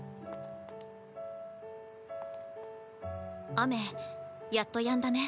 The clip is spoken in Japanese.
雨やっとやんだね。